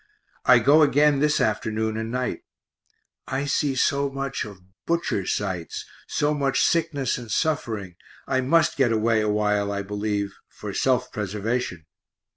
I go again this afternoon and night I see so much of butcher sights, so much sickness and suffering, I must get away a while, I believe, for self preservation.